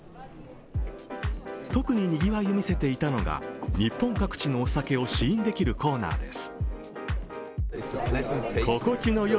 特ににぎわいを見せていたのが日本各地のお酒を試飲できるコーナーです。